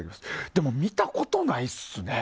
でも、見たことないっすね。